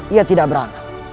ia tidak beranak